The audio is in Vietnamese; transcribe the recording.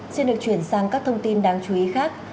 xin được chuyển sang các thông tin đáng chú ý khác